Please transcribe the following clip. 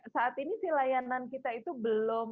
saat ini sih layanan kita itu belum